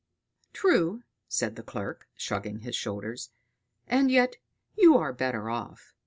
"True," said the clerk, shrugging his shoulders; "and yet you are the better off.